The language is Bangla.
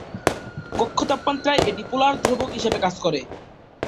কক্ষতাপমাত্রায় এটি পোলার দ্রাবক হিসেবে কাজ করে।